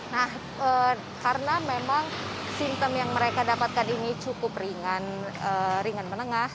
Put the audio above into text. nah karena memang simptom yang mereka dapatkan ini cukup ringan menengah